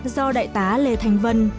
do đại tá lê thành vân